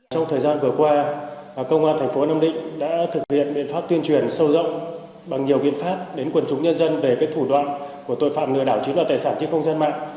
trong thời gian vừa qua công an thành phố nam định đã thực hiện biện pháp tuyên truyền sâu rộng bằng nhiều biện pháp đến quần chúng nhân dân về thủ đoạn của tội phạm lừa đảo chiếm đoạt tài sản trên không gian mạng